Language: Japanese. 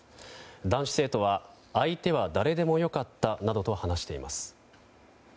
男子生徒は相手は誰でも良かったなどと話しています。